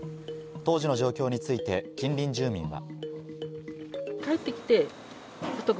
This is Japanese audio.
当時の状況について近隣住民は。